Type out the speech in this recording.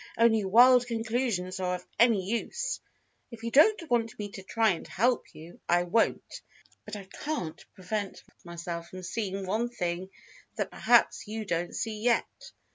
Only wild conclusions are of any use. If you don't want me to try and help you, I won't. But I can't prevent myself from seeing one thing that perhaps you don't see yet.